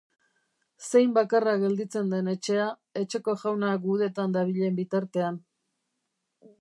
Zein bakarra gelditzen den etxea, etxeko jauna gudetan dabilen bitartean.